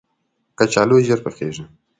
کچالو ژر پخیږي